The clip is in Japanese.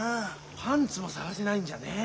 パンツも探せないんじゃねえ。